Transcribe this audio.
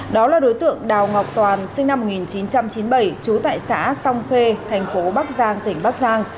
đó là đối tượng đào ngọc toàn sinh năm một nghìn chín trăm chín mươi bảy trú tại xã song khê thành phố bắc giang tỉnh bắc giang